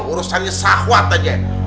urusannya sahwat aja